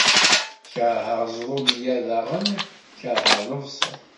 Kerheɣ ẓrudiya daɣen kerheɣ lebṣel.